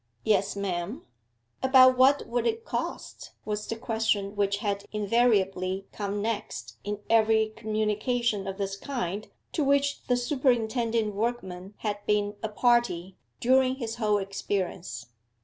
'Yes, ma'am.' 'About what would it cost?' was the question which had invariably come next in every communication of this kind to which the superintending workman had been a party during his whole experience.